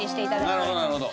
なるほどなるほど。